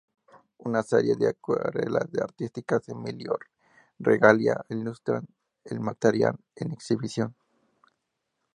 Una serie de acuarelas del artista Emilio Regalía ilustran el material en exhibición.